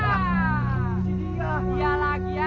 tenang tenang tenang